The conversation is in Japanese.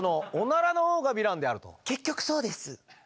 結局そうです。